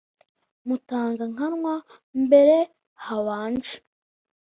mutanga-nkamwa, mbere habanje